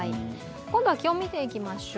今度は気温を見ていきましょう。